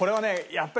やっぱり。